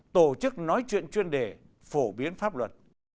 tổ chức nói chuyện chuyên đề phổ biến pháp luật